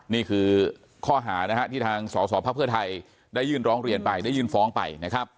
นี่คือข้อหาที่ทางสสพไทยได้ยื่นร้องเรียนไปได้ยื่นฟ้องไป